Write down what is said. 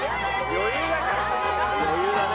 余裕だね。